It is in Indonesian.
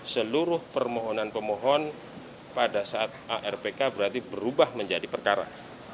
seluruh permohonan pemohon pada saat arpk berarti berubah menjadi perkara